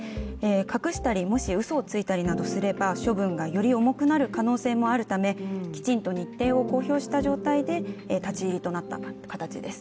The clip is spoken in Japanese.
隠したりもしうそをついたりすれば処分がより重くなる可能性があるためきちんと日程を公表した状態で立ち入りとなった形です。